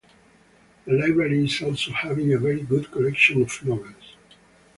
The library is also having a very good collection of novels.